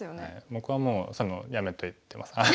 僕はもうやめといてます。